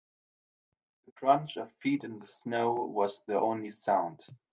The crunch of feet in the snow was the only sound.